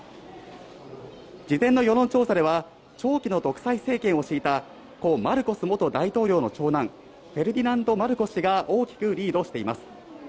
事前の世論調査では、長期の独裁政権を敷いた故・マルコス元大統領の長男、フェルディナンド・マルコス氏が大きくリードしています。